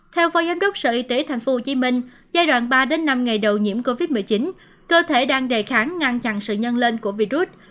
theo phó giám đốc sở y tế tp hcm giai đoạn ba năm ngày đầu nhiễm covid một mươi chín cơ thể đang đề kháng ngăn chặn sự nhân lên của virus